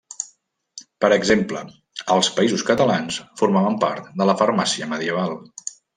Per exemple, als Països Catalans formaven part de la farmàcia medieval.